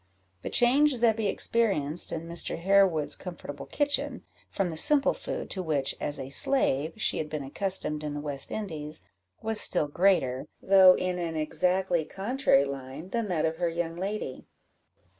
The change Zebby experienced in Mr. Harewood's comfortable kitchen, from the simple food to which, as a slave, she had been accustomed in the West Indies, was still greater, though in an exactly contrary line, than that of her young lady.